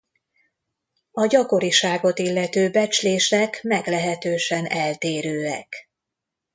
A gyakoriságot illető becslések meglehetősen eltérőek.